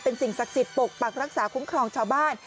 สิ่งศักดิ์สิทธิ์ปกปักรักษาคุ้มครองชาวบ้าน